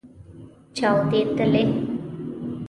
چاودیدلې